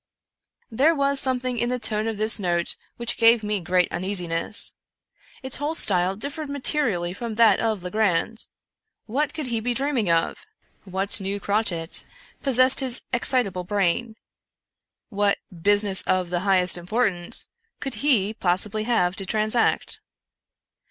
There was something in the tone of this note which gave me great uneasiness. Its whole style differed materially from that of Legrand. What could he be dreaming of? What new crotchet possessed his excitable brain? What " business of the highest importance " could he possibly have to transact